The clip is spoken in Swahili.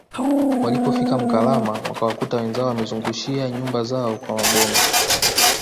Walipofika Mkalama wakawakuta wenzao wamezungushia nyumba zao kwa Maboma